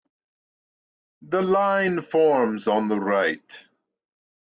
The line forms on the right.